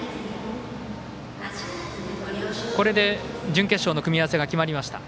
これで準決勝の組み合わせが決まりました。